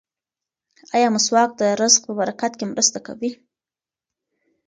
ایا مسواک د رزق په برکت کې مرسته کوي؟